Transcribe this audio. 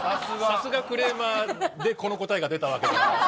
さすがクレーマーでこの答えが出たわけではない。